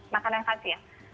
makanan khas ya